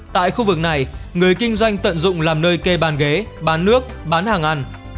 tại khu vực này người kinh doanh tận dụng làm nơi kê bàn ghế bán nước bán hàng ăn